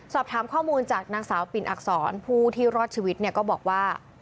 สอบถามข้อมูลจากนางสาวปิ่นอักษรผู้ที่รอดชีวิตเนี่ยก็บอกว่า